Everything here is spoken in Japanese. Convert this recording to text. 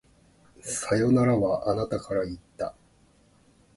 さよならは、あなたから言った。